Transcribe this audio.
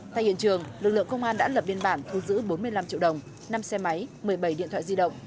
thay hiện trường lực lượng công an đã lập biên bản thu giữ bốn mươi năm triệu đồng năm xe máy một mươi bảy điện thoại di động